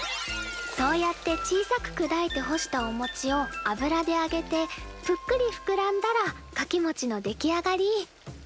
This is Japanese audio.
そうやって小さくくだいて干したお餅を油であげてぷっくりふくらんだらかきもちの出来上がり。